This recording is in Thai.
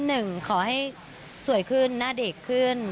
หนึ่งขอให้สวยขึ้นหน้าเด็กขึ้น